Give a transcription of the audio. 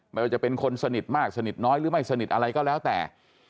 ไม่ว่าจะเป็นคนสนิทมากสนิทน้อยหรือไม่สนิทอะไรก็แล้วแต่